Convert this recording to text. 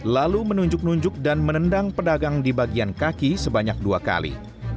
lalu menunjuk nunjuk dan menendang pedagang di bagian kaki sebanyak dua kali